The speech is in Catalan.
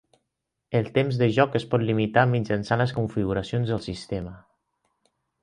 El temps de joc es pot limitar mitjançant les configuracions del sistema.